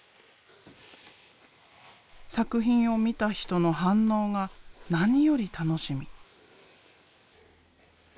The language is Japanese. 作品を見た人の反応が何より楽しみ。